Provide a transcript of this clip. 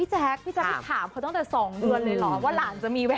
โหเล่นคุณผู้ชม